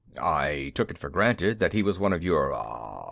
I took it for granted that he was one of your